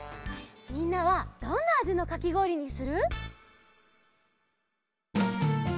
みんなはどんなあじのかきごおりにする？